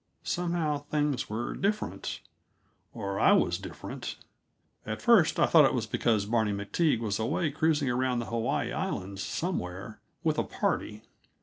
Somehow, things were different or I was different. At first I thought it was because Barney MacTague was away cruising around the Hawaii Islands, somewhere, with a party.